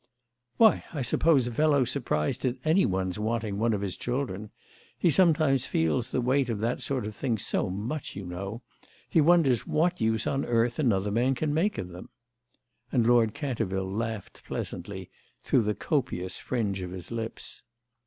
"Why I suppose a fellow's surprised at any one's wanting one of his children. He sometimes feels the weight of that sort of thing so much, you know. He wonders what use on earth another man can make of them." And Lord Canterville laughed pleasantly through the copious fringe of his lips.